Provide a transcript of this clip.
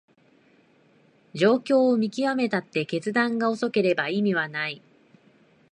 状況を見極めたって決断が遅ければ意味はない